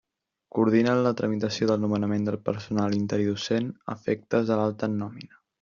Coordina la tramitació del nomenament del personal interí docent, a efectes de l'alta en nòmina.